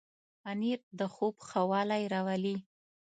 پنېر د خوب ښه والی راولي.